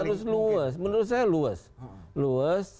harus luas menurut saya luas luas